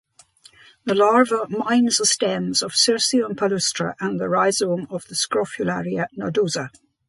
The larva mines the stems of "Cirsium palustre" and the rhizome of "Scrophularia nodosa".